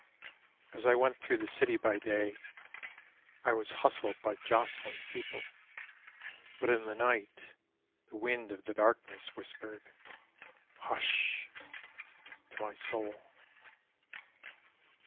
As I went through the city by day I was hustled by jostling people. But in the night, the wind of the darkness Whispered, "Hush!" to my soul.